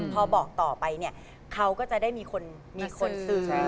พอบอกต่อไปเนี่ยเขาก็จะได้มีคนซื้อ